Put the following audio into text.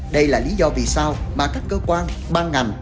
đây là lý do vì sao mà các cơ quan ban ngành